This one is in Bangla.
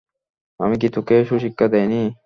আমি কি তোকে সুশিক্ষা দেইনি?